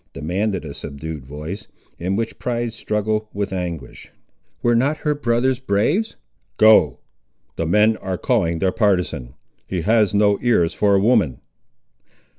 demanded a subdued voice, in which pride struggled with anguish: "were not her brothers braves?" "Go; the men are calling their partisan. He has no ears for a woman."